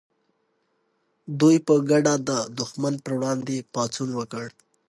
دوی په ګډه د دښمن پر وړاندې پاڅون وکړ.